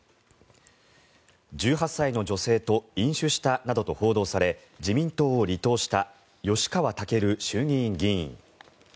１８歳の女性と飲酒したなどと報道され自民党を離党した吉川赳衆議院議員。